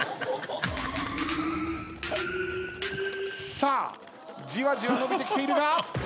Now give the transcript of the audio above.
さあじわじわ伸びてきているが。